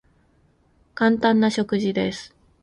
簡単な食事です。